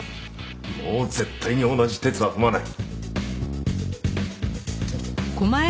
もう絶対に同じ轍は踏まない。